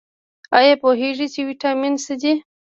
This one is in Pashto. ایا پوهیږئ چې ویټامین څه دي؟